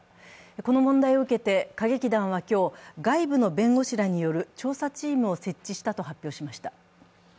この問題を受けて、歌劇団は今日、外部の弁護士らによる調査チームを設置したと発表しました。